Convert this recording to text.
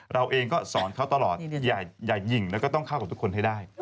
เราเองก็สอนเขาตลอดอย่ายิงแล้วก็ต้องเข้ากับทุกคนให้ได้